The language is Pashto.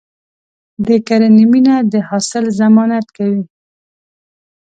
د کرنې مینه د حاصل ضمانت کوي.